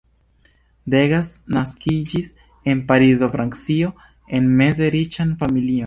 Degas naskiĝis en Parizo, Francio, en meze riĉan familion.